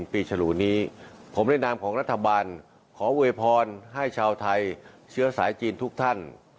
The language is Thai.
ผมในนามของรัฐบาลขอโวยพรให้ชาวไทยเชื้อสายจีนทุกท่าน